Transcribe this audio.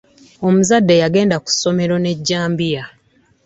Omuzadde yagenda ku ssomero ne jambiya.